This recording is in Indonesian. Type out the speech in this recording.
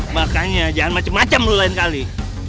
makanya jangan macam macam loh lain kali